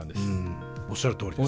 おっしゃるとおりです。